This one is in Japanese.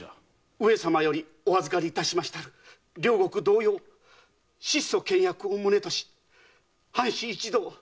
上様よりお預かりいたしました領国同様質素倹約を旨とし藩士一同